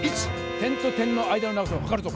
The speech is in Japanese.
点と点の間の長さをはかるぞ！